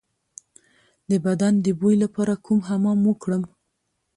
د بدن د بوی لپاره کوم حمام وکړم؟